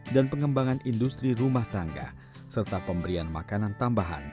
dan pengembangan istimewa